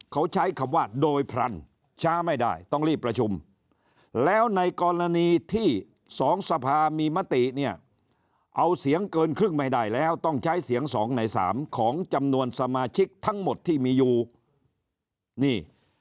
เขาใช้คำว่าโดยพรรณช้าไม่ได้ต้องรีบประชุมแล้วในกรณีที่๒สภามีมติเนี่ยเอาเสียงเกินครึ่งไม่ได้แล้วต้องใช้เสียง๒ใน๓ของจำนวนสมาชิกทั้งหมดที่มีอยู่นี่